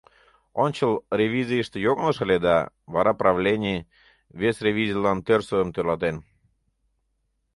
Ончыл ревизийыште йоҥылыш ыле да, вара правлений вес. ревизийлан тӧрсырым тӧрлатен.